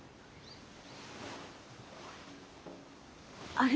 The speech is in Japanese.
あれ！